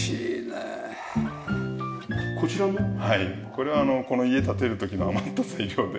これはこの家建てる時の余った材料で。